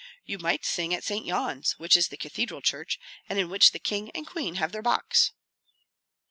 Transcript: You might sing at St. Yan's, which is the cathedral church, and in which the king and queen have their box."